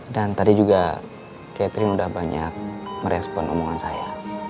dan tadi juga catherine udah banyak merespon omongan saya